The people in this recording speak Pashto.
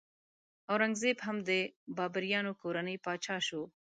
اورنګ زیب هم د بابریانو کورنۍ پاچا شو.